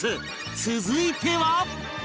続いては